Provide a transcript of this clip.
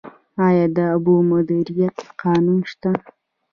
آیا د اوبو مدیریت قانون شته؟